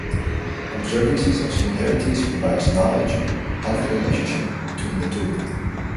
Observance of similarities provides knowledge of the relationship between the two.